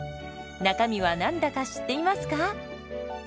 中身は何だか知っていますか？